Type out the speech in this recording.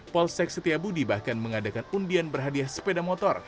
polsek setia budi bahkan mengadakan undian berhadiah sepeda motor